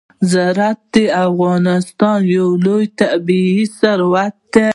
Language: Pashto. زراعت د افغانستان یو لوی طبعي ثروت دی.